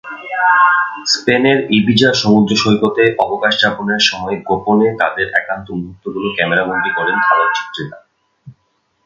স্পেনের ইবিজা সমুদ্রসৈকতে অবকাশযাপনের সময় গোপনে তাঁদের একান্ত মুহূর্তগুলো ক্যামেরাবন্দী করেন আলোকচিত্রীরা।